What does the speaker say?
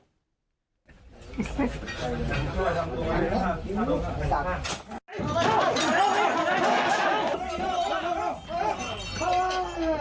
สาม